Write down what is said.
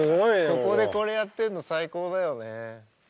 ここでこれやってるの最高だよね。